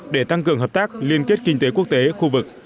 để tăng cường hợp tác liên kết kinh tế quốc tế khu vực